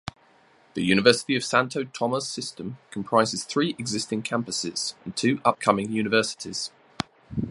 The University of Santo Tomas System comprises three existing campuses and two upcoming universities.